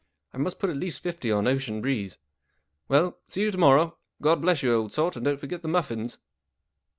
I must put at least fifty on Ocean. Breeze. Well, see you to morrow. God bless you, old sort, and don't forget the muffins."